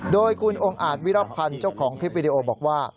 โดยคุณองค์อาจวิรพันธ์เจ้าของคลิปวิดีโอบอกว่า